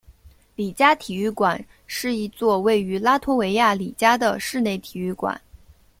里加体育馆是一座位于拉脱维亚里加的室内体育馆。